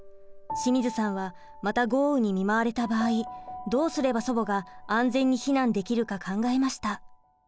清水さんはまた豪雨に見舞われた場合どうすれば祖母が安全に避難できるか考えました。